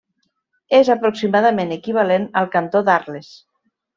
És aproximadament equivalent al cantó d'Arles.